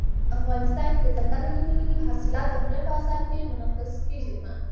افغانستان کې دځنګل حاصلات د هنر په اثار کې منعکس کېږي.